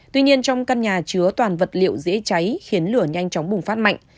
tuy nhiên trong căn nhà chứa toàn vật liệu dễ cháy khiến lửa nhanh chóng bùng phát mạnh